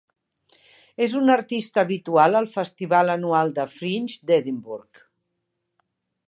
És un artista habitual al festival anual Fringe d'Edimburg.